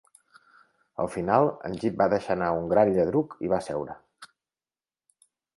Al final, en Jip va deixar anar un gran lladruc i va seure.